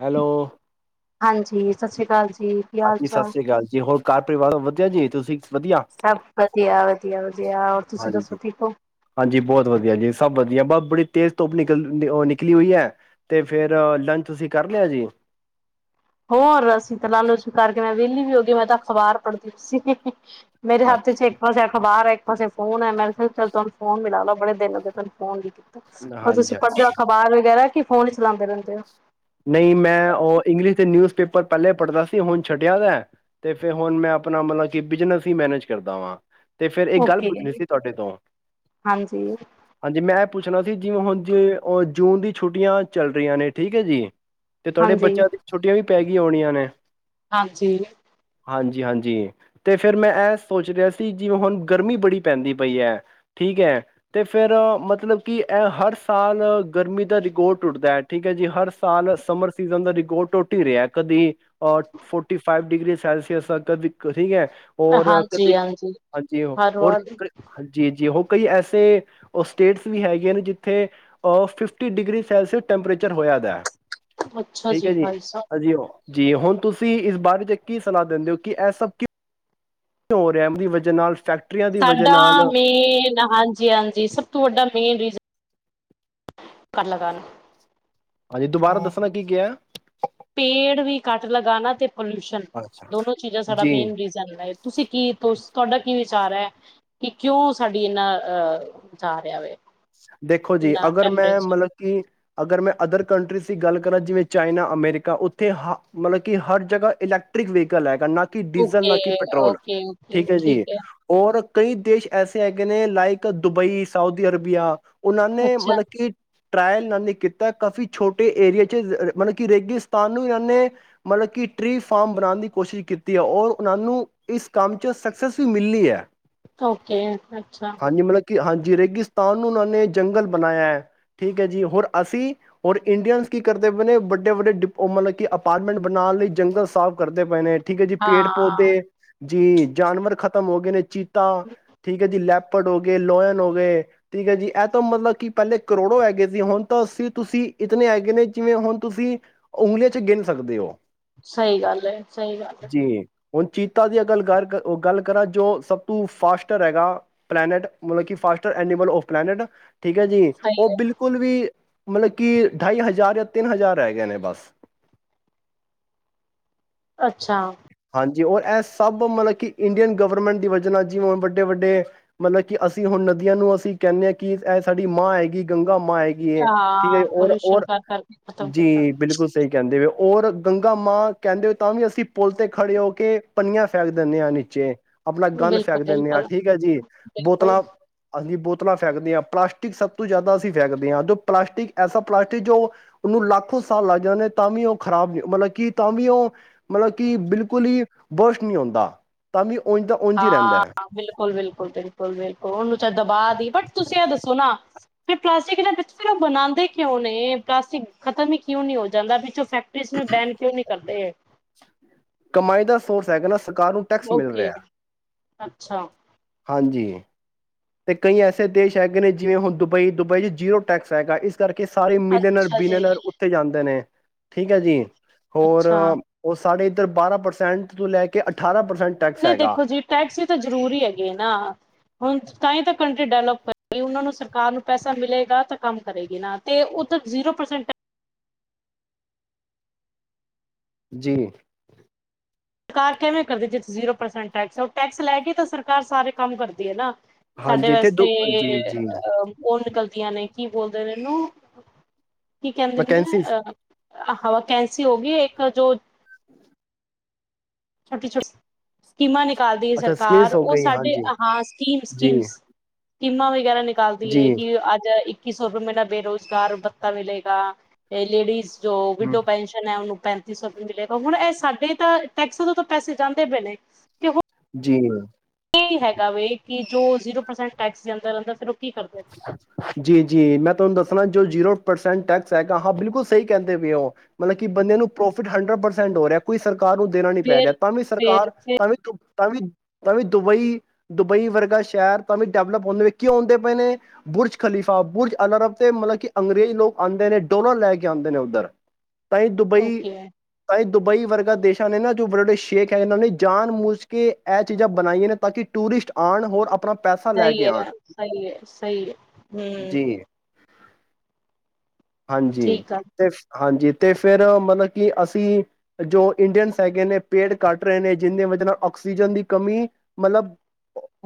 Hello ਹਾਂਜੀ ਸਤਿ ਸ੍ਰੀ ਅਕਾਲ ਜੀ ਕੀ ਹਾਲ ਹਾਂਜੀ ਸਤਿ ਚਾਲ ਸ੍ਰੀ ਅਕਾਲ ਜੀ ਹੋਰ ਕ ਪਰਿਵਾਰ ਵਧਿਆ ਜੇ ਤੁਸੀਂ ਵਧੀਆ। ਸਭ ਵਧੀਆ ਵਧੀਆ ਵਧੀਆ ਔਰ ਤੁਸੀਂ ਦੱਸੋ ਹਾਂਜੀ ਠੀਕ ਹੋ ਹਾਂਜੀ ਬਹੁਤ ਵਧੀਆ ਜੀ ਸਭ ਵਧੀਆ ਬ ਬੜੀ ਤੇਜ਼ ਧੁੱਪ ਨਿਕਲ ਨਿਕਲੀ ਹੋਈ ਹੈ ਤੇ ਫੇਿਰ ਲੰਚ ਤੁਸੀਂ ਕਰ ਲਿਆ ਜੀ ਹੋਰ ਅਸੀਂ ਤਾਂ ਲਾਲੂ ਸਵੀਕਾਰਕੇ ਮੈਂ ਵਿਹਲੀ ਵੀ ਹੋ ਗ ਮੈਂ ਤਾਂ ਅਖ਼ਬਾਰ ਪੜ੍ਹਦੀ ਹ ਮੇਰੇ ਹੱਥ ਚ ਇੱਕ ਵਜ ਅਖ਼ਬਾਰ ਹੈ ਪਾਸ ਫੋਨ ਮੈਂਰੇ ਕਿਹਾ ਚਲ ਤੁਹਾਨੂੰ ਫੋਨ ਲ ਲੋ ਬੜੇ ਦਿਨੱਗੇ ਤੁੂੰ ਫੋਨ ਹੋਰ ਤੁਸੀਂ ਹਾਂਜੀ। ਪੜ੍ਹਦੇ ਹੋ ਅਖਬਾਰ ਵਗੈਰਾ ਕਿ ਫੋਨ ਚਲਾਉਂਦੇ ਰਹਿੰਦੇ ਆ ਨਹੀਂ ਮੈਂ ਉਹ ਇੰਗਲਿਸ਼ ਦੇ ਨਿਊਜ਼ ਪੇਪਰ ਪਹਿਲਲੇ ਪੜ੍ਹਦਾ ਸੀ ਹੁਣ ਛੱਡਿਆ ਤੇ ਫਿਰ ਹੁਣ ਮੈਂ ਆਪਣਾ ਮਤਲਬ ਕਿ ਬਿਜਨਸ ਹੀ ਮੈਨੇਜ ਕਰਦਾ ਵਾਂ ਤੇ ਫਿਰ ਇਹ ਹੋ ਗੱਲ ਓਕੇ ਪੁੱਜਣੀ ਸੀ ਤੁਹਾਡੇ ਤੋਂ ਹਾਂਜੀ ਹਾਂਜੀ ਹਾਂਜੀ ਮੈਂ ਪੁੱਛਣਾ ਸੀ ਜਿਵੇਂ ਹੁਣ ਜੇ ਜੂਨ ਦੀ ਛੁੱਟੀਆਂ ਚੱਲ ਰਹੀਆਂ ਨੇ ਠੀਕ ਹੈ ਜੀ ਤੇ ਤੁਹਾਡੇ ਬੱਚਿਆਂ ਦੀ ਛੁੱਟੀਆਂ ਵੀ ਪੈ ਗਈਆਂ ਹੋਣੀਆਂ ਨੇ ਹਾਂਜੀ ਹਾਂਜੀ ਹਾਂਜੀ ਅਤੇ ਫਿਰ ਮੈਂ ਇਹ ਸੋਚ ਰਿਹਾ ਸੀ ਜਿਵੇਂ ਹੁਣ ਗਰਮੀ ਬੜੀ ਪੈਂਦੀ ਪਈ ਹੈ ਠੀਕ ਹੈ ਅਤੇ ਫਿਰ ਮਤਲਬ ਕਿ ਇਹ ਹਰ ਸਾਲ ਗਰਮੀ ਦਾ ਰਿਿਕੋਡ ਟੁੱਟਦਾ ਹੈ ਠੀਕ ਹੈ ਜੀ ਹਰ ਸਾਲ ਸਮਰ ਸੀਜਨ ਦਾ ਗੋ ਟੋ ਹੀ ਰਿਹਾ ਕਦੀ ਫੋਰਟੀ ਫਾਈਵ ਡਿਗਰੀਜ਼ ਸੈਲਸੀਅਸ ਤ ਠੀਕ ਹੈ ਹੋਰ ਕਦੇ ਹਾਂਜੀ ਹਾਂਜੀ ਹਾਂਜੀ ਉਹ ਹਰ ਹੋਰ ਵਾਰ ਹਾਂਜੀ ਹਾਂਜੀ ਉਹ ਕਈ ਐਸੇ ਉਹ ਸਟੇਟਸ ਵੀ ਹੈਗੇੀਆਂ ਨੇ ਜਿੱਥੇ ਅ ਫਿਫਟੀ ਡਿਗਰੀ ਸੈਲਸੀਅਸ ਟੈਂਪਰੇਚਰ ਹੋਇਆ ਦਾ ਅੱਛਾ ਠੀਕ ਹੈ ਜੀ ਭਾਈ ਸਾਹਿਬ ਹਜੀਿ ਉਹ ਜੀ ਹੁਣ ਤੁਸੀਂ ਇਸ ਬਾਰੇ ਚ ਕੀ ਸੁਣਾ ਦਿੰਦੇ ਹੋ ਕਿ ਇਹ ਸਭ ਕਿ ਂ ਰਿਹਾਮਦੀ ਵਜ੍ਹ ਨਾਲ ਫੈਕਟ ਸਾਡਾ ਮੇਨ ਹਾਂਜੀ ਹਾਂਜੀ ਸਭ ਤੋਂ ਵੱਡਾ ਮੇਨ ਰੀਜ਼ [inaudible] ਹਾਂਜੀ ਤੂੰਬਾਰਾ ਦੱਸੋ ਕੀ ਕੀਆ ਪੇੜ ਵੀ ਘੱਟਲਗਾਣਾ ਤੇ ਪੋਲੂਸ਼ਨ ਦੋਨੋ ਚੀਜ਼ਾਂ ਸਾ ਜੀ ਮੇਨ ਰੀਜ਼ਨ ਤੁਸੀਂ ਕੀ ਤੁਹਾਡਾ ਕੀ ਵਿਚਾਰ ਹੈ। ਕਿ ਕਿਉਂ ਸਾਡੀ ਇਹਨਾਂ ਅਹ ਜਾਰਿਹਾ ਵ ਦੇਖੋ ਜੀ ਅਗਰ ਮੈਂ ਮਤਲਬ ਕਿ ਅਗਰ ਮੈਂ ਅਦਰ ਕੰਟਰੀਜ਼ ਦੀ ਗੱਲ ਕਰਾਂ ਜਿਵੇਂ ਚਾਈਨਾ ਅਮੈਰੀਕਾ ਉੱਥੇ ਕਿ ਹਰ ਜਗ੍ਹਾ ਇਲੈਕਟ੍ਰਿਕ ਵਹੀਕਲ ਹੈ। ਨਾ ਕਿ ਡੀਜ਼ਲ ਓਕੇ ਨਾ ਕਿ ਪੈਟਰੋਲ ਠੀਕ ਹੈ। ਜੀ ਔਰ ਕਈ ਦੇਸ਼ ਐਸੇ ਹੈਗੇ ਨੇ ਲਾਈਕ ਦੁਬਈ ਸਾਊਦੀ ਅਰਬੀਆ ਉਹਨਾਂ ਨੇ ਅੱਛਾ ਮਤਲਬ ਕਿ ਟਰਾਇਲ ਇਹਨਾਂ ਨੇ ਕੀਤਾ ਕਾਫ਼ੀ ਛੋਟੇ ਏਰੀਏ 'ਚ ਮਤਲਬ ਕਿ ਰੇਗਿਸਤਾਨ ਨੂੰ ਇਹਨਾਂ ਨੇ ਮਤਲਬ ਕਿ ਟਰੀ ਫਾਰਮ ਬਣਾਉਣ ਦੀ ਕੋਸ਼ਿਸ਼ ਕੀਤੀ ਹੈ। ਔਰ ਉਹਨਾਂ ਨੂੰ ਇਸ ਕੰਮ 'ਚ ਸਕਸੈਸ ਵੀ ਮਿਲੀ ਹੈ। ਓਕੇ ਅੱਛਾ ਹਾਂਜੀ ਮਤਲਬ ਕਿ ਹਾਂਜੀ ਰੇਗਿਸਤਾਨ ਉਹ ਨੇ ਜੰਗਲ ਬਣਾਇਆ ਹੈ। ਠੀਕ ਹੈ। ਜੀ ਹੋਰ ਅਸੀਂ ਹੋਰ ਇੰਡੀਅਨਸ ਕੀ ਕਰਦੇ ਪਏ ਨੇ ਵੱਡੇ ਵੱਡੇ ਮਤਲਬ ਕਿ ਅਪਾਰਟਮੈਂਟ ਬਣਾਉਣ ਲਈ ਜੰਗਲ ਸਾਫ਼ ਕਰਦੇ ਪਏ ਨੇ ਠੀਕ ਹੈ। ਜੀ ਪੇੜ ਪੌਦੇ ਹਾਂ ਜੀ ਜਾਨਵਰ ਖਤਮ ਹੋ ਗਏ ਨੇ ਚੀਤਾ ਠੀਕ ਹੈ। ਜੀ ਲੈਪੜ ਹੋ ਗਏ ਲੋਇਨ ਹੋ ਗਏ ਠੀਕ ਹੈ। ਜੀ ਇਹ ਤਾਂ ਮਤਲਬ ਕਿ ਪਹਿਲੇ ਕਰੋੜੋ ਹੈਗੇ ਸੀ ਹੁਣ ਤਾਂ ਅਸੀਂ ਤੁਸੀਂ ਇਤਨ ਹੈਗੇ ਨੇ ਜਿਵੇਂ ਹੁਣ ਤੁਸੀਂ ਉਂਗਲੀਆਂ 'ਚ ਗਿਣ ਸਕਦੇ ਹੋ। ਸਹੀ ਗੱਲ ਸਹੀ ਗੱਲ ਹੈ। ਜੀ, ਹੁਣ ਚੀਤਾ ਦੀ ਅਗਰ ਗ ਗੱਲ ਕਰਾਂ ਜੋ ਸਭ ਤੋਂ ਫਾਸਟਰ ਹੈਗਾ ਪਲੈਨਟ ਮਤਲਬ ਕਿ ਫਾਸਟਰ ਐਨੀਮਲ ਆਫ ਪਲੈਨਟ ਠੀਕ ਹੈ। ਜੀ ਸਹੀ ਉਹ ਹੈ ਬਿਲਕੁਲ ਵੀ ਮਤਲਬ ਕਿ ਢਾਈ ਹਜ਼ਾਰ ਜਾਂ ਤਿੰਨ ਹਜ਼ਾਰ ਰਹਿ ਗਏ ਨੇ ਬਸ। ਅੱਛਾ ਜੀ ਔਰ ਇਹ ਸਭ ਮਤਲਬ ਕਿ ਇੰਡੀਅਨ ਗਵਰਮੈਂਟ ਦੀ ਵਜ੍ਹਾ ਜਿਵੇਂ ਵੱਡੇ ਵੱਡੇ ਮਤਲਬ ਕਿ ਅਸੀਂ ਹੁਣ ਨਦੀਆਂ ਨੂੰ ਅਸੀਂ ਕਹਿੰਦੇ ਹਾਂ ਕਿ ਇਹ ਸਾਡੀ ਮਾਂ ਹੈਗੀ ਗੰਗਾ ਮਾ ਹੈਗੀ ਠੀਕ ਹੈ। ਹਾਂ ਜੀ ਪੋਲਿਊਸ਼ਨ ਔਰ ਕਰ ਕਰਕੇ ਖਤਮ ਕੀਤਾ ਜੀ ਬਿਲਕੁਲ ਸਹੀ ਕਹਿੰਦੇ ਔਰ ਗੰਗਾ ਮਾਂ ਕਹਿੰਦੇ ਹੋਏ ਤਾਂ ਵੀ ਅਸੀਂ ਪੁਲ ਤੇ ਖੜੇ ਹੋ ਕੇ ਪੰਨੀਆਂ ਫੈਕ ਦਿੰਦੇ ਹਾਂ ਨੀਚੇ ਆਪਣਾ ਗੰਦ ਬਿਲਕੁਲ ਫੈਕ ਦਿੰਦੇ ਹਾਂ ਬਿਲਕੁਲ ਠੀਕ ਹੈ। ਜੀ ਬਿਲਕੁਲ ਬੋਤਲਾਂ ਬੋਤ ਤਲਾਂ ਫਕਦੇ ਹਾਂ ਪਲਾਸਟਿਕ ਸਭ ਤੋਂ ਜ਼ਿਆਦਾ ਅਸੀਂ ਫੇਕਦੇ ਹਾਂ ਪਲਾਸਟਿਕ ਐਸਾ ਪਲਾਸਟਿਕ ਜੋ ਉਹਨੂੰ ਲੱਖੋ ਸਾਲ ਲੱਗ ਜਾਂਦੇ ਤਾਂ ਵੀ ਉਹ ਖਰਾਬ ਮਤਲਬ ਕਿ ਬਿਲਕੁਲ ਤਾਂ ਵੀ ਉਹ ਮਤਲਬ ਕਿ ਬਿਲਕੁੱਲ ਕੋਲ ਬੋਸ਼ ਨਹੀਂ ਹੁੰਦਾ ਤਾਂ ਵੀ ਉਝ ਦਾ ਉਝ ਹੀ ਰਹਿੰਦਾ ਹੈ ਹਾਂ ਬਿਲਕੁਲ -ਬਿਲਕੁਲ- ਬਿਲਕੁਲ- ਬਿਲਕੁਲ ਉਹਨੂੰ ਚ' ਦਬਾ ਦੀ ਬਟ ਤੁਸੀਂ ਇਹ ਦੱਸੋ ਨਾ ਪਲਾਸਟਿਕ ਵਿੱਚ ਉਹ ਬਣਾਉਂਦੇ ਕਿਉਂ ਨੇ ਪਲਾਸਟਿਕ ਖਤਮ ਹੀ ਕਿਉਂ ਨੀ ਹੋ ਜਾਂਦਾ ਵਿੱਚ ਫੈਕਟਰੀ ਇਸ ਨੂੰ ਬੈਨ ਕਿਉਂ ਨਹੀ ਕਰਦੇ। ਤੇ ਕਮਾਈ ਦਾ ਸੋਰਸ ਹੈਗਾ ਨਾ। ਸਰਕਾਰ ਨੂੰ ਟੈਕਸ ਮਿਲ ਓਕੇ, ਰਿਹਾ। ਅੱਛਾ, ਹਾਂਜੀ, ਤੇ ਕਈ ਐਸੇ ਦੇਸ਼ ਹੈਗੇ ਨੇ ਜਿਵੇਂ ਹੁਣ ਦੁਬਈ ਦੁਬਈ ਚ ਜੀਰੋ ਟੈਕਸ ਹੈਗਾ ਇਸ ਕਰਕੇ ਸਾਰੇ ਮਿਲੇਨਰ ਅੱਛਾ ਜੀ, ਬਿਨਨਰ ਉੱਥੇ ਜਾਂਦੇ ਨੇ। ਠੀਕ ਹੈ ਜੀ ਹੋਰ ਅੱਛਾ। ਉਸ ਸਾਡੇ ਇੱਧਰ ਬਾਰਾਂ ਪਰਸੈਂਟ ਤੋਂ ਲੈ ਕੇ ਅਠਾਰਾਂ ਪਰਸੈਂਟ ਟੈਕਸ ਨਹੀਂ ਹੈਗਾ ਦੇਖੋ ਜੀ ਟੈਕਸੀ ਤਾਂ ਜ਼ਰੂਰੀ ਹੈਗੇ ਨਾ ਹੁਣ ਤਾਂਹੀ ਤਾਂ ਕੰਟਰੀ ਡੈਵਲਪ ਕਰੇਗੀ ਉਹਨਾਂ ਨੂੰ ਸਰਕਾਰ ਨੂੰ ਪੈਸਾ ਮਿਲੇਗਾ ਤਾਂ ਕੰਮ ਕਰੇਗੀ ਨਾ ਅਤੇ ਉਹਥ ਜ਼ੀਰੋ ਪਰਸੈਂਟ ਜੀ ਸਰਕਾਰ ਕਿਵੇਂ ਕਰਦੀ ਜਿੱਥੇ ਜ਼ੀਰੋ ਪਰਸੈਂਟ ਟੈਕਸ ਟੈਕਸ ਲੈ ਕੇ ਤਾਂ ਸਰਕਾਰ ਸਾਰੇ ਕੰਮ ਕਰਦੀ ਹੈ ਨਾ ਸਾਡੇ ਹਾਂਜੀ ਤੇ ਵਾਸਤੇ ਦੋ ਜੀ ਜੀ ਅ ਉਹ ਗਲਤੀਆਂ ਨੇ ਕੀ ਬੋਲਦੇ ਇਹਨੂੰ ਕੀ ਕਹਿੰਦੇ ਨੇ ਵਕੈਂਸੀਜ਼ ਅਹ ਇੱਕ ਤਾਂ ਵੈਕੈਂਸੀ ਹੋ ਗਈ ਛੋਟੀ ਛੋਟੀ ਸਕੀਮਾਂ ਨੇ ਅਕਾਲੀ ਦਲ ਦੀ ਅੱਛਾ ਸਰਕਾਰ ਸਕਿਲਸ ਹੋ ਉਹ ਗਈ ਸਾਡੇ ਹਾਂਜੀ ਹਾਂ ਸਕੀਮ ਜੀ ਸਕੀਮ ਕਿਨਾਂ ਦੀ ਕਹਿਣਾ ਨਿਕਾਲਦੀ ਜੀ ਹੈਏ ਕਿ ਅੱਜ ਇੱਕ ਕਿਸ ਸਾਰਿਆਂ ਨੂੰ ਬੇਰੋਜ਼ਗਾਰ ਬੱਤਾ ਮਿਲੇਗਾ ਲੇਡੀਜ਼ ਜੋ ਹਮ, ਵਿਡੋ ਪੈਨਸ਼ਨ ਹੈ ਉਹਨੂੰ ਪੈਂਤੀ ਸੌ ਵੀ ਮਿਲੇਗਾ ਹੁਣ ਇਹ ਸਾਡੇ ਤਾਂ ਟੈਕਸ ਤੋਂ ਤਾਂ ਪੈਸੇ ਜਾਂਦੇ ਪਏ ਨੇ ਤੇ ਜੀ ਹੈਗਾ ਵ ਕਿ ਜੋ ਜ਼ੀਰੋ ਪਰਸੈਂਟ ਟੈਕਸ ਦੇ ਅੰਦਰ ਅੰਦਰ ਫਿਰ ਕੀ ਕਰਦੇ ਜੀ ਜੀ ਮੈਂ ਤੁਹਾਨੂੰ ਦੱਸਣਾ ਜੋ ਜ਼ੀਰੋ ਪਰਸੈਂਟ ਟੈਕਸ ਹੈਗਾ ਹਾਂ ਬਿਲਕੁਲ ਸਹੀ ਕਹਿੰਦੇ ਪਏ ਹੋ ਮਤਲਬ ਕਿ ਬੰਦੇ ਨੂੰ ਪ੍ਰੋਫਿਟ ਹੰਡਰਡ ਪਰਸੈਂਟ ਹੋ ਰਿਹਾ ਕੋਈ ਸਰ ਸਰਕਾਰ ਨੂੰ ਦੇਣਾ ਨ ਪੈ ਫੇਰ ਰਿਹਾ ਤਾਂ ਵੀ ਫੇਰ ਸਰਕਾਰ ਤਾਂ ਵੀ ਤਾਂ ਵੀ ਤਾਂ ਵੀ ਦੁਬਈ ਦੁਬਈ ਵਰਗਾ ਸ਼ਹਿਰ ਤਾਂ ਵੀ ਡਿਵਲਪ ਹੁੰਦੇ ਕਿਉਂ ਆਉਂਦੇ ਪਏ ਨੇ ਬੁਰਜ ਖ਼ਲੀਫਾ ਬੁਰਜ ਅਲਅਰਬ ਤੇ ਮਤਲਬ ਕਿ ਅੰਗਰੇਜ਼ ਲੋਕ ਆਉਂਦੇ ਨੇ ਡੋਲਰ ਲੈ ਕੇ ਆਉਂਦੇ ਨੇ ਉੱਧਰ ਤ ਦੁਬਈ ਓਕੇ ਤ ਦੁਬਈ ਵਰਗਾ ਦੇਸ਼ਾਂ ਨੇ ਨਾ ਜੋ ਬੜੇ ਵਡੇ ਸ਼ੇਖ ਹੈ ਇਹਨਾਂ ਨੇ ਜਾਨ ਮੂਝ ਕੇ ਇਹ ਚੀਜ਼ਾਂ ਬਣਾਈਆਂ ਨੇ ਤਾਂ ਕਿ ਟੂਰਿਸਟ ਆਉਣ ਹੋਰ ਆਪਣਾ ਪੈਸਾ ਲੈ ਸਹੀ ਕੇ ਆਣ ਹੈ ਸਹੀ ਹੈ ਸਹੀ ਆ ਹਮ ਜੀ। ਹਾਂਜੀ ਠੀਕ ਆ ਤੇ ਹਾਂਜੀ ਤੇ ਫਿਰ ਮਤਲਬ ਕਿ ਅਸੀਂ ਜੋ ਇੰਡੀਅਨਸ ਹੈਗੇ ਨੇ ਪੇੜ ਕੱਟ ਰਹੇ ਨੇ ਜਿੰਹਦੇ ਵਜ ਨਾਲ ਆਕਸੀਜਨ ਦੀ ਕਮੀ ਮਤਲਬ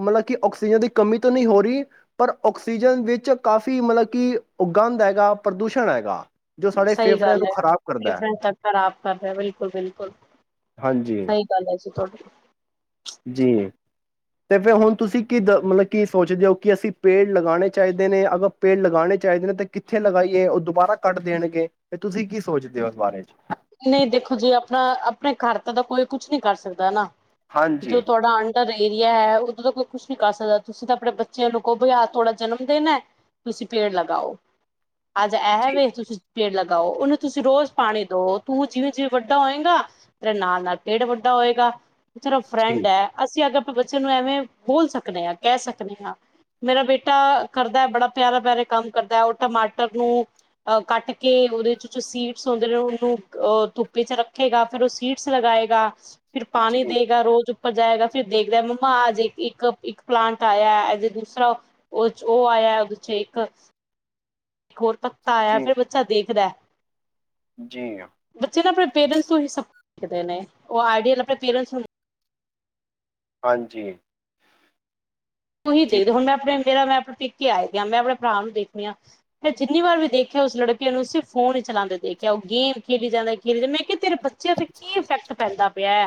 ਮਤਲਬ ਕਿ ਆਕਸੀਜਨ ਦੀ ਕਮੀ ਤੋਂ ਨਹੀਂ ਹੋ ਰਹੀ ਪਰ ਆਕਸੀਜਨ ਵਿੱਚ ਕਾਫ਼ੀ ਮਤਲਬ ਕਿ ਉਗੰਧ ਹੈਗਾ ਪ੍ਰਦੂਸ਼ਣ ਹੈਗਾ ਜੋ ਸਾਡੇ ਸਹੀ ਫੇਫੜਿਆਂ ਗੱਲ ਨੂੰ ਖ਼ਰਾਬ ਹੈ ਕਰਦਾ ਤ ਖਰਾਬ ਕਰ ਰਿਹਾ ਬਿਲਕੁਲ ਬਿਲਕੁਲ ਹਾਂਜੀ ਸਹੀ ਗੱਲ ਹੈ ਜੀ ਤੁਹਾਡੀ ਜੀ ਤੇ ਫਿਰ ਹੁਣ ਤੁਸੀਂ ਕੀ ਦ ਮਤਲਬ ਕੀ ਸੋਚਦੇ ਹੋ ਕਿ ਅਸੀਂ ਪੇੜ ਲਗਾਉਣੇ ਚਾਹੀਦੇ ਨੇ ਅਗਰ ਪੇੜ ਲਗਾਉਣੇ ਚਾਹੀਦੇ ਨੇ ਤਾਂ ਕਿੱਥੇ ਲਗਾਈਏ ਉਹ ਦੁਬਾਰਾ ਕੱਟ ਦੇਣਗੇ ਫ ਤੁਸੀਂ ਕੀ ਸੋਚਦੇ ਹੋ ਇਸ ਬਾਰੇ ਚ ਨਹੀਂ ਦੇਖੋ ਜੀ ਆਪਣਾ ਆਪਣੇ ਘਰ ਤ ਤਾਂ ਕੋਈ ਕੁਛ ਨੀ ਕਰ ਸਕਦਾ ਹੈ ਨਾ ਜੋ ਹਾਂਜੀ ਤੁਹਾਡਾ [unintelligible] ਏਰੀਆ ਹੈ ਉਦੋਂ ਤਾਂ ਕੋਈ ਕੁਛ ਨੀ ਕਰ ਸਕਦਾ ਤੁਸੀਂ ਤਾਂ ਆਪਣੇ ਬੱਚਿਆਂ ਨੂੰ ਕਹੋ ਤੁਹਾਡਾ ਜਨਮ ਦਿਨ ਹੈ ਤੁਸੀਂ ਪੇੜ ਲਗਾਓ ਅੱਜ ਐ ਜੀ ਵੇ ਤੁਸੀਂ ਪੇੜ ਲਗਾਓ ਉਹਨੂੰ ਤੁਸੀਂ ਰੋਜ਼ ਪਾਣੀ ਦਓ ਤੂੰ ਜਿਵੇਂ ਜਿਵੇਂ ਵੱਡਾ ਹੋਏਗਾ ਤੇਰੇ ਨਾਲ ਨਾਲ ਪੇੜ ਵੱਡਾ ਹੋਏਗਾ ਤੇਰਾ ਜੀ ਫਰੈਂਡ ਹੈ ਅਸੀਂ ਅਗ ਬੱਚੇ ਨੂੰ ਐਵੇਂ ਬੋਲ ਸਕਦੇ ਆ ਕਹਿ ਸਕਦੇ ਹਾਂ ਮੇਰਾ ਬੇਟਾ ਕਰਦਾ ਬੜਾ ਪਿਆਰਾ ਪਿਆਰੇ ਕੰਮ ਕਰਦਾ ਉਹ ਟਮਾਟਰ ਨੂੰ ਅਹ ਕੱਟ ਕੇ ਉਹਦੇ ਚ ਜੋ ਸੀਡਸ ਆਉਦੇ ਨੇ ਉਹਨੂੰ ਉਹ ਧੁੱਪੀ ਚ ਰੱਖੇਗਾ ਫੇਿਰ ਉਹ ਸੀਡਸ ਲਗਾਏਗਾ ਫਿਰ ਜੀ, ਪਾਣੀ ਦੇਗਾ ਰੋਜ਼ ਪਰ ਜਾਏਗਾ ਫਰ ਦੇਖਦਾ ਮੰਮਾ ਅੱਜ ਇੱਕ ਇੱਕ ਪਲਾਂਟ ਆਇਆ ਅਜ ਦੂਸਰਾ ਉਹ ਆਇਆ ਉਹਦੇ ਚ ਇੱਕ ਇੱਕ ਹੋਰ ਪਤਾ ਆਇਆ ਜੀ, ਫੇਿਰ ਬੱਚਾ ਦੇਖਦਾ ਜੀ ਹ ਬੱਚੇ ਨਾ ਆਪਣੇ ਪੇਰੈਂਟਸ ਤੋਂ ਹੀ [unintelligible] ਨੇ ਉਹ ਆਈਡੀਅਲ ਆਪਣੇ ਪੇਰੈਂਟਸ ਨੂੰ ਹਾਂਜੀ ਤੁੂੰਹੀ ਜੀ, ਦੇਖਦੇ ਹੁਣ ਮੈਂ ਆਪਣੇ- ਫੇ ਮੈਂ ਆਪਣੇ ਪਿੱਕੇ ਆਏ ਦੀਾਂ ਮੈਂ ਆਪਣੇ ਭਰਾ ਨੂੰ ਦੇਖਣੀ ਆ ਮੈਂ ਜਿੰਨੀ ਵਾਰ ਵੀ ਦੇਖਿਆ ਉਸ ਲੜਕੇ ਨੂ ਸਿਰਫ ਫੋਨ ਹੀ ਚਲਾਉਂਦੇ ਦੇਖਿਆ ਉਹ ਗੇਮ ਖੇਲੀ ਜਾਂਦਾ ਖੇਲੀ ਜਾਂ ਮੈਂ ਕਿ ਤੇਰੇ ਬੱਚਿਆਂ ਤੇ ਕੀ ਇਫੈਕਟ ਪੈਂਦਾ ਪਿਆ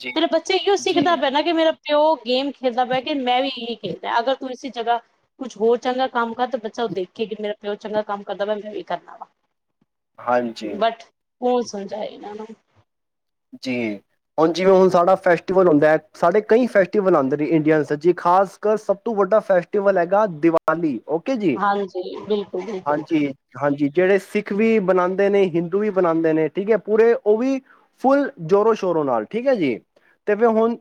ਜੀ, ਮੇਰੇ ਬੱਚੇ ਕਿ ਸਿੱਖਦਾ ਜੀ, ਪੈ ਨਾ ਕਿ ਮੇਰਾ ਤੇ ਉਹ ਗੇਮ ਖੇਡਦਾ ਪਿਆ ਕਿ ਮੈਂ ਵੀ [unintelligible] ਅਗਰ ਤੂੰ ਇਸ ਜਗ੍ਹਾ ਕੁਛ ਹੋਰ ਚੰਗਾ ਕੰਮ ਬੱਚਾ ਉਹ ਦੇਖੇ ਕਿ ਮੇਰਾ ਫ ਉਹ ਚੰਗਾ ਕੰਮ ਕਰਦਾ ਵੈ ਮੈਂ ਵੀ ਕਰਨਾ ਵਾ ਹਾਂਜੀ ਉਹ ਸੁਲਝਾਏਗਾ ਨਾ ਜੀ ਹੁਣ ਜਿਵੇਂ ਹੁਣ ਸਾਡਾ ਫੈਸਟੀਵਲ ਹੁੰਂਦਾ ਹੈ ਸਾਡੇ ਕਈ ਫੈਸਟੀਵਲ ਆਉਂਦੇ ਨੇ ਇੰਡੀਅਨਸ ਜੀ ਖਾਸ ਕਰ ਸਭ ਤੋਂ ਵੱਡਾ ਫੈਸਟੀਵਲ ਹੈਗਾ ਦੀਵਾਲੀ ਓਕੇ ਜੀ ਹਾਂਜੀ ਬਿਲਕੁਲ ਬਿਲਕੁਲ ਹਾਂਜੀ ਹਾਂਜੀ ਜਿਹੜੇ ਸਿੱਖ ਵੀ ਬਣਾਉਂਦੇ ਨੇ ਹਿੰਦੂ ਵੀ ਬਣਾਉਂਦੇ ਨੇ ਠੀਕ ਹੈ ਪੂਰੇ ਉਹ ਵੀ ਫੁੱਲ ਜ਼ੋਰੋ ਸ਼ੋਰੋ ਨਾਲ ਠੀਕ ਹੈ ਜੀ ਅਤੇ ਫਿਰ ਹੁਣ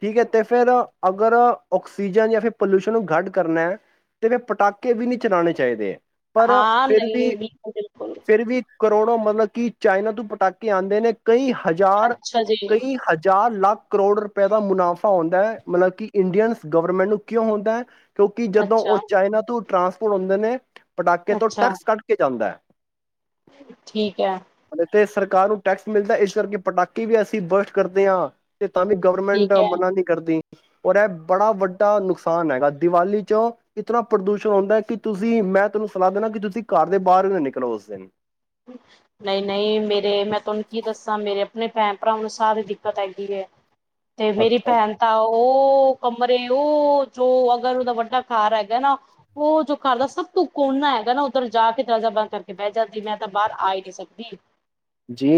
ਠੀਕ ਹੈ ਅਤੇ ਫਿਰ ਅਗਰ ਔਕਸੀਜਨ ਜਾਂ ਫਿਰ ਪੋਲਿਊਸ਼ਨ ਨੂੰ ਘੱਟ ਕਰਨਾ ਤਾਂ ਫਿਰ ਪਟਾਕੇ ਵੀ ਨਹੀਂ ਚਲਾਉਣੇ ਚਾਹੀਦੇ। ਪਰ ਹਾਂ ਫਿਰ ਵੀ ਨਹੀਂ ਬਿਲਕੁਲ ਬਿਲਕੁਲ ਫਿਰ ਵੀ ਕਰੋੜੋ ਮਤਲਬ ਕਿ ਚਾਈਨਾ ਤੋਂ ਪਟਾਕੇ ਆਂਦੇ ਨੇ। ਕਈ ਹਜ਼ਾਰ ਅੱਛਾ ਜੀ ਕਈ ਹਜ਼ਾਰ ਲਾਖ ਕਰੋੜ ਰੁਪਏ ਦਾ ਮੁਨਾਫ਼ਾ ਹੋਦਾ ਹੈ, ਮਤਲਬ ਕਿ ਇੰਡੀਅਨ ਗਵਰਮੈਂਟ ਨੂੰ ਕਿਉਂ ਹੁੰਦਾ ਹੈ? ਕਿਉਂਕਿ ਜਦੋਂ ਔ ਅੱਛਾ ਚਾਈਨਾ ਤੋਂ ਟਰਾਂਸਪੋਰਟ ਹੁੰਦੇ ਨੇ ਪਟਾਕੇ ਤੋਂ ਅੱਛਾ ਟੈਕਸ ਕੱਢ ਕੇ ਜਾਂਦੈ। ਠੀਕ ਹੈ। ਕਾਰ ਨੂੰ ਟੈਕਸ ਮਿਲਦਾ ਇਸ ਕਰਕੇ ਪਟਾਕੇ ਵੀ ਅਸੀਂ ਬਰਥ ਕਰਦੇ ਆਂ। ਤੇ ਤਾਂ ਵੀ ਠੀਕ ਗਵਰਮੈਂਟ, ਹੈ ਮਨਾ ਨੀ ਕਰਦੀ। ਔਰ ਐ ਬੜਾ ਵੱਡਾ ਨੁਕਸਾਨ ਹੈਗਾ ਦੀਵਾਲੀ ਚੋਂ ਇਤਨਾ ਪ੍ਰਦੂਸ਼ਣ ਔਂਦੈ ਕਿ ਤੁਸੀਂ ਮੈਂ ਤੈਨੂੰ ਸਲਾ ਦੇਣਾ ਕਿ ਤੁਸੀਂ ਘਰ ਦੇ ਬਾਰ ਹੀ ਨਾ ਨਿਕਲੋ ਉਸ ਦਿਨ। ਨਹੀਂ ਨਹੀਂ ਮੇਰੇ ਮੈਂ ਤੁਹਾਨੂੰ ਕੀ ਦੱਸਾਂ ਮੇਰੇ ਆਪਣੇ ਭੈਣ ਭਰਾਵਾ ਨੂੰ ਸਾ ਦੀ ਦਿੱਕਤ ਹੈਗੀ ਹੈ। ਤੇ ਮੇਰੀ ਅੱਛਾ ਭੈਣ ਤਾਂ ਔ ਕਮਰੇ ਔ ਜੋ ਅਗਰ ਉਦਾ ਵੱਡਾ ਘਰ ਹੈਗਾ ਨਾ ਔ ਜੋ ਘਰ ਦਾ ਸਭ ਤੋਂ ਕੋਨਾ ਹੈਗਾ ਨਾ ਉੱਧਰ ਜਾ ਕੇ ਦਵਾਜ਼ਾ ਬੰਦ ਕਰਕੇ ਬੈ ਜਾਂਦੀ। ਮੈਂ ਤਾਂ ਬਾਰ ਆ ਈ ਨੀ ਸਕਦੀ। ਜੀ।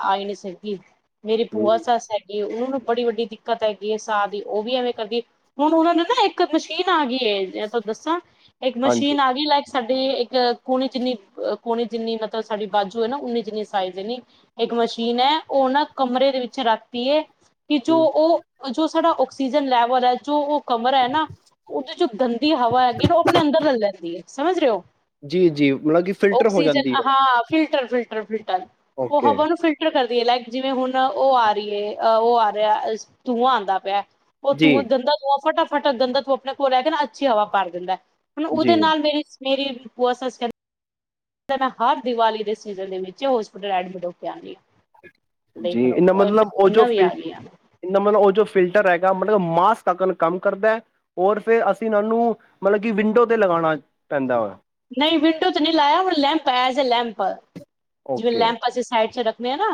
ਆਈ ਨੀ ਸਕਦੀ। ਮੇਰੀ ਹਮ ਬੂਆ ਸੱਸ ਹੈਗੀ ਉਨੂ ਬੜੀ ਵੱਡੀ ਦਿੱਕਤ ਹੈਗੀ ਏ ਸਾ ਦੀ ਔ ਵੀ ਐਵੇਂ ਕਰਦੀ ਏ ਹੁਣ ਉਨਾਂ ਨੂੰ ਨਾ ਇੱਕ ਮਸ਼ੀਨ ਆ ਗੀ ਏ, ਜੈ ਤਾਨੂੰ ਦੱਸਾਂ ਏਕ ਹਾਂਜੀ ਮਸ਼ੀਨ ਆ ਗੀ ਲੈ ਸਾਡੇ ਇੱਕ ਕੂਣੀ ਜਿੰਨੀ ਬ ਕੂਣੀ ਜਿੰਨੀ ਮਤਲਬ ਸਾਡੀ ਬਾਜੂ ਏ ਨਾ ਉਨੀ ਜਿੰਨੀ ਸਾਈਜ਼ ਜਿਨੀ ਇੱਕ ਮਸ਼ੀਨ ਐ, ਔ ਨਾ ਕਮਰੇ ਦੇ ਵਿੱਚ ਰਖ ਤੀਏ। ਕਿ ਜੋ ਹੂੰ ਔ ਹ ਜੋ ਸਾਡਾ ਆਕਸੀਜਨ ਲੈਵਲ ਐ ਜੋ ਕਮਰ ਹੈ ਨਾ, ਔਦੀ ਜੋ ਗੰਦੀ ਹਵਾ ਹੈਗੀ ਏ ਨਾ ਔ ਅਪਣੇ ਅੰਦਰ ਲੇ ਲੈਂਦੀ ਏ। ਸਮਝ ਰੇ ਔ। ਜੀ ਜੀ ਮਲਬ ਕਿ ਫਿਲਟਰ ਹੋ ਔਕਸੀਜਨ ਜਾਂਦੀ ਅ ਹੈ ਉਹ ਹਾਂ ਫਿਲਟਰ ਫਿਲਟਰ‌। ਟਰਫੀਲ ਟਰ ਔ ਓਕੇ ਹਵਾ ਨੂੰ ਫਿਲਟਰ ਕਰ ਦੇ ਲੈਕ ਜਿਵੇਂ ਹੁਣ ਔ ਆ ਰੀ ਏ ਅ ਔ ਆ ਰਿਐ ਅਸ ਤੂੰਆਂ ਆਂਦਾ ਪਿਆ। ਔ ਜੀ ਤੂੰਆਂ ਦੰਦਾ ਤੂੰਆਂ ਫਟਾ ਫਟਾ ਗੰਦਾ ਤੂੰਆਂ ਅਪਣੇ ਕੋਲ ਲੈ ਕੇ ਨਾ ਅੱਛੀ ਹਵਾ ਭਰ ਦਿੰਦਾ ਹੈ। ਹੁਣ ਜੀ ਉਦੇ ਨਾਲ ਮੇਰੀ ਸ ਮੇਰੀ ਪੁਆ ਸੱਚ ਕ- ਹਰ ਦੀਵਾਲੀ ਦੇ ਸੀਜ਼ਨ ਦੇ ਵਿੱਚ ਹੋਸਪਿਟਲ ਐਡਮਿਟ ਹੋ ਕੇ ਆਉਂਦੀ। ਹਾਂ। ਦੇਖ ਜੀ ਇਨਦਾ ਲਓ ਮਤਲਬ ਉਹ ਜੋ ਇੰਨਾ ਫ ਵੀ ਆ ਗਈਆਂ ਇਨਦਾ ਮਤਲਬ ਉਹ ਜੋ ਫਿਲਟਰ ਹੈਗਾ ਮਤਲਬ ਮਾਸਕ ਤੱਕ ਕੰਮ ਕਰਦਾ ਹੈ, ਔਰ ਫਿਰ ਅਸੀਂ ਇਹਨਾਂ ਨੂੰ ਮਤਲਬ ਕਿ ਵਿੰਡੋ ਤੇ ਲਗਾਉਣਾ। ਪੈਂਦਾ ਵਾ ਨਹੀਂ ਵਿੰਡੋ ਤੇ ਨਹੀਂ ਲਾਇਆ ਹੁਣ ਲੈਂਪ ਆਯਾ ਜੇ ਲੈਂਪ ਪ ਜਿਵੇਂ ਓਕੇ ਲੈਂਪ ਅਸੀ ਸਾਈਡ ਚ ਰ ਮੈਂ ਨਾ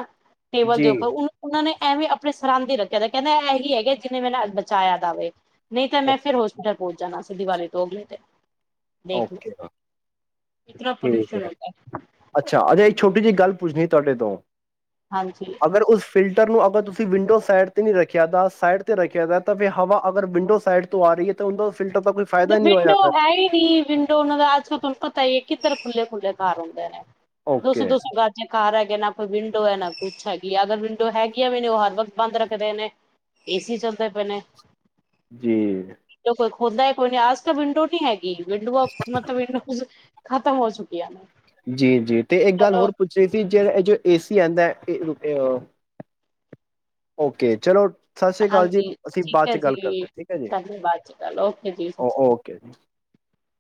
ਟੇਬਲ ਦੇ ਜੀ ਉੱਪਰ ਉਹ ਉਹਨਾਂ ਨੇ ਐਵੇਂ ਆਪਣੇ ਸਰਹਦ ਰੱਖਿਆ ਦਾ ਕਹਿੰਦਾ ਇਹੀ ਹੈਗੇ ਜਿਹਨੇ ਮ ਬਚਾਇਆ ਜਾਵੇ [unintelligible] ਨਹੀਂ ਓ ਮੈਂ ਫਿਰ ਹੋਸਟਲ ਪਹੁੰਚ ਜਾਣਾ [unintelligible] ਸੀਂ ਦੀਵਾਲੀ ਤੋਂ ਅਗਲੇ ਤੇ ਓਕੇ ਇਤਨਾ ਠੀਕ ਪੋਲਿਊਸ਼ਨ ਹੈ ਹੋਤਾ ਅੱਛਾ ਅਜੇ ਛੋਟੀ [unintelligible] ਜੀ ਗੱਲ ਪੁੱਛਣੀ ਤੁਹਾਡੇ ਤੋਂ ਹਾਂਜੀ ਅਗਰ ਉਸ ਫਿਲਟਰ ਨੂੰ ਅਗਰ ਤੁਸੀਂ ਵਿੰਡੋ ਸਾਈਡ ਨਹੀਂ ਰੱਖਿਆ ਤਾਂ ਸਾਈਡ ਤੇ ਰੱਖਿਆ ਦਾ ਤਾਂ ਫਿਰ ਹਵਾ ਅਗਰ ਵਿੰਡੋ ਸਾਈਡ ਤੋਂ ਆ ਰਹੀ ਹੈ ਤਾਂ ਉਹ ਵਿੰਡੋ ਹੈ ਹੀ ਨੀ ਵਿੰਡੋ ਉਹਨਾਂ ਦਾ ਅੱਜ ਕੱਲ ਤੁਹਾਨੂੰ ਪਤਾ ਹੀ ਹੈ ਕਿ ਇਧਰ ਖੁੱਲੇ ਖੁੱਲੇ ਘਰ ਹੁੰਦੇ ਨੇ ਦੋ ਸੌ ਓਕੇ ਦੋ ਸੌ ਗਜ ਘਰ ਹੈਗੇ ਨਾ ਕੋਈ ਵਿੰਡੋ ਹੈ ਨਾ ਕੁਛ ਅਗਰ ਵਿੰਡੋ ਹੈਗੀ ਆ ਵੀ ਨਹੀਂ ਉਹ ਹਰ ਵਕਤ ਬੰਦ ਰੱਖਦੇ ਨੇ ਏਸੀ ਚੱਲਦੇ ਪਏ ਨੇ ਜੀ ਹੁੰਦਾ ਕੋ ਆਜ ਕ ਵਿੰਡੋ ਨਹੀਂ ਹੈਗਾ [unintelligible] ਵਿਡ ਬੋ ਮਤ ਵਿੰਡ [unintelligible] ਖ਼ਤਮ ਹੋ ਚੁੱਕੀਆ ਨੇ ਜੀ ਜੀ ਤੇ ਇੱਕ ਗੱਲ ਚਲੋ ਹੋਰ ਪੁੱਛਣੀ ਸੀ ਜੇ ਇਹ ਜੋ ਏ ਸੀ ਆਉਂਦਾ ਰੁਪ ਓਕੇ ਚਲੋ [unintelligible] ਜੀ ਹਾਂਜੀ ਅਸੀਂ ਠੀਕ ਬਾਅਦ ਹੈ ਚ ਜੀ ਗੱਲ ਕਰਦੇ ਹਾਂ, ਠੀਕ ਹੈ ਜੀ ਧ ਬਾਦ ਚ ਗੱਲ ਓਕੇ ਜੀ੍ਰ ਓ ਓਕੇ [unintelligible]